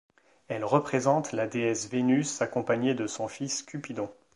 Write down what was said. Elle représente la déesse Vénus accompagnée de son fils Cupidon.